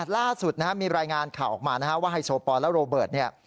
ล่าสุดมีรายงานข่าวออกมานะฮะว่าไฮโซปอลและโรเบิร์ตเนี่ย